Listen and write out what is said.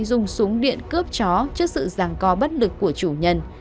dùng súng điện cướp chó trước sự giàng co bất lực của chủ nhân